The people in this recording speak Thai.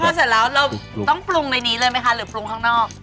พอเสร็จแล้วเราต้องปรุงในนี้เลยไหมคะหรือปรุงข้างนอก